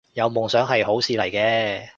有夢想係好事嚟嘅